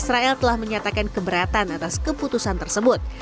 israel telah menyatakan keberatan atas keputusan tersebut